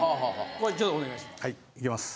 これちょっとお願いします。